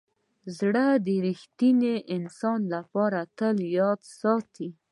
زړه د ریښتیني انسان لپاره تل یاد ساتي.